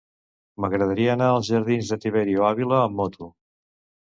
M'agradaria anar als jardins de Tiberio Ávila amb moto.